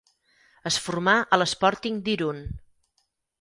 Es formà a l'Sporting d'Irun.